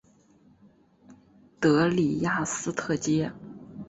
的里雅斯特街。